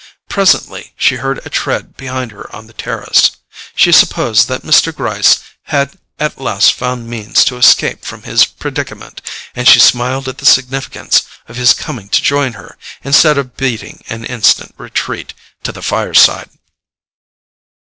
Presently she heard a tread behind her on the terrace. She supposed that Mr. Gryce had at last found means to escape from his predicament, and she smiled at the significance of his coming to join her instead of beating an instant retreat to the fireside.